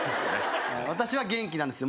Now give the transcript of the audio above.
私は元気なんですよ